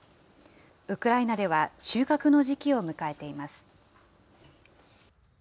ウクライナでは収穫の時期を迎えています。